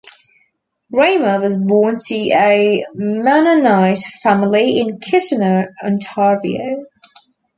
Reimer was born to a Mennonite family in Kitchener, Ontario.